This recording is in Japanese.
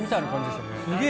すげえ。